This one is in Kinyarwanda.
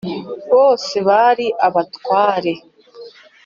Bose bari abatware